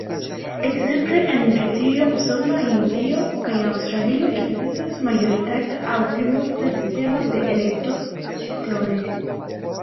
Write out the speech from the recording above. Ekzemple en Britio, Usono, Hindio kaj Aŭstralio ekzistas majoritata aŭ plimulta sistemo de elekto-distriktoj.